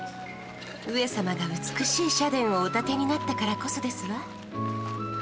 上様が美しい社殿をお建てになったからこそですわ。